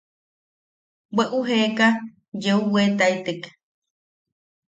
Bweʼu jeeka yeu weetaitek.